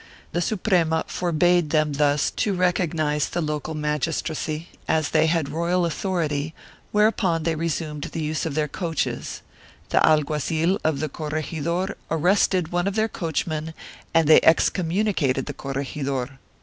The Suprema forbade them thus to recognize the local magistracy, as they had royal authority, whereupon they resumed the use of their coaches; the alguazil of the corregidor arrested one of their coachmen and they excommunicated the corregidor.